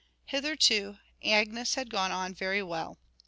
Hitherto Agnes had gone on very well.